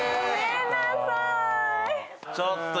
ちょっと